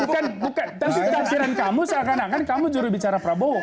tapi taksiran kamu seakan akan kamu juru bicara prabowo